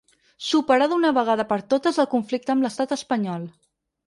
Superar d’una vegada per totes el conflicte amb l’estat espanyol.